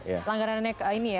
jadi langgarannya ke ini ya